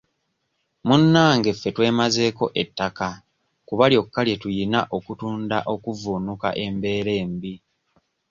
Munnange ffe twemazeeko ettaka kuba lyokka lye tuyina okutunda okuvvuunuka embeera embi.